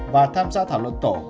và tham gia thảo luận tổ